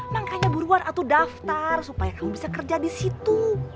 nangkanya buruan atau daftar supaya kamu bisa kerja di situ